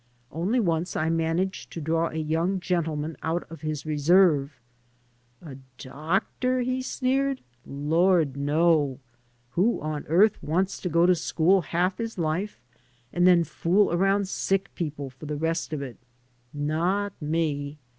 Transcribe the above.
Only once I managed to draw a young gentleman out of his reserve. "A doctor!" he sneered. "Lord! no. Who on earth wants to go to school half his life and then fool aroimd sick people for the rest of it? Not me.